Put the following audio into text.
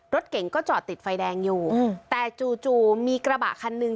รถเก่งก็จอดติดไฟแดงอยู่แต่จู่จู่มีกระบะคันหนึ่ง